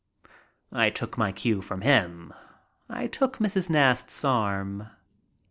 I took my cue from him. I took Mrs. Nast's arm.